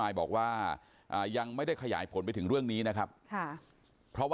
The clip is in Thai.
ตอนนี้กำลังจะโดดเนี่ยตอนนี้กำลังจะโดดเนี่ย